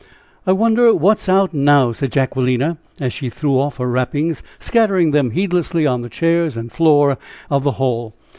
"I wonder what's out now?" said Jacquelina, as she threw off her wrappings, scattering them heedlessly on the chairs and floor of the hall.